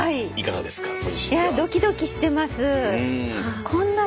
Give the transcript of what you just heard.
いやドキドキしてますはい。